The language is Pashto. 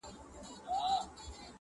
ه ياره کندهار نه پرېږدم؛